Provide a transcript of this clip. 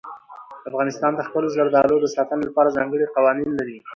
افغانستان د خپلو زردالو د ساتنې لپاره ځانګړي قوانین لري.